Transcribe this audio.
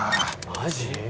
マジ？